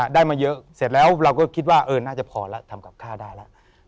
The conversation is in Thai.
ได้มาเยอะเสร็จแล้วเราก็คิดว่าน่าจะพอแล้วทำกับข้าวได้แล้ว